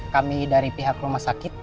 kami dari pihak rumah sakit